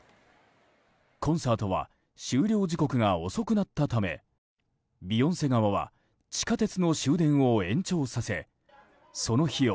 コンサートは終了時刻が遅くなったためビヨンセ側は地下鉄の終電を延長させその費用